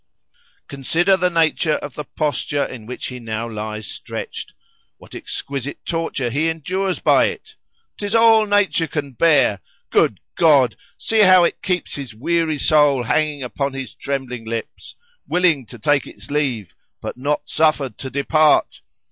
] "——Consider the nature of the posture in which he now lies stretched,—what exquisite torture he endures by it!—'Tis all nature can bear! Good God! See how it keeps his weary soul hanging upon his trembling lips,—willing to take its leave,——but not suffered to depart!